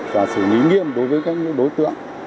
và xử lý nghiêm đối với các đối tượng